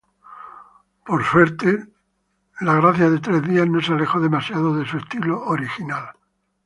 Por suerte, Three Days Grace no se alejó demasiado de su estilo original".